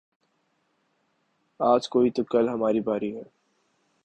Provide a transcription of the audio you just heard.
آج کوئی تو کل ہماری باری ہے